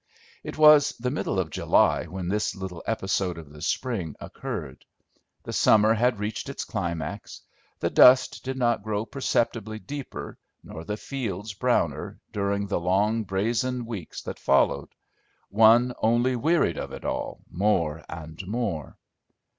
It was the middle of July when this little episode of the spring occurred. The summer had reached its climax. The dust did not grow perceptibly deeper, nor the fields browner, during the long brazen weeks that followed; one only wearied of it all, more and more.